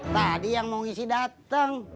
tadi yang mau ngisi datang